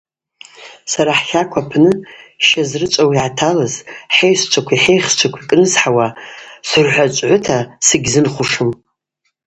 Сара хӏхакв апны ща зрычӏвауа йгӏаталыз, хӏайщчвакви хӏайхщчвакви кӏнызхӏауа сырхӏвачӏвгӏвыта сыгьзынхушым.